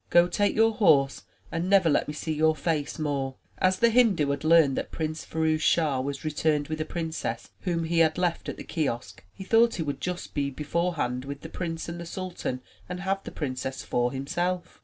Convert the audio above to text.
Go, take your horse and never let me see your face more/' As the Hindu had learned that Prince Firouz Schah was returned with a princess whom he had left at the kiosk, he thought he would just be beforehand with the prince and the sultan and have the princess for himself.